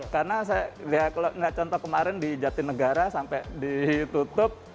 karena saya lihat contoh kemarin di jatinegara sampai ditutup